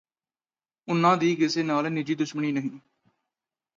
ਉਨ੍ਹਾਂ ਦੀ ਕਿਸੇ ਨਾਲ ਨਿੱਜੀ ਦੁਸ਼ਮਣੀ ਨਹੀਂ